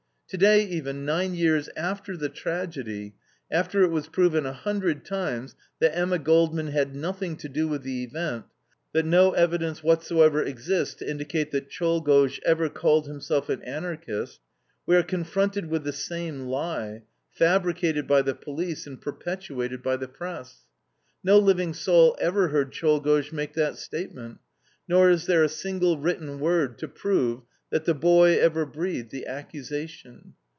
Today, even, nine years after the tragedy, after it was proven a hundred times that Emma Goldman had nothing to do with the event, that no evidence whatsoever exists to indicate that Czolgosz ever called himself an Anarchist, we are confronted with the same lie, fabricated by the police and perpetuated by the press. No living soul ever heard Czolgosz make that statement, nor is there a single written word to prove that the boy ever breathed the accusation.